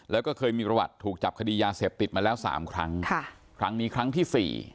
แล้วก็เคยมีประวัติถูกจับคดียาเสพติดมาแล้ว๓ครั้งครั้งนี้ครั้งที่สี่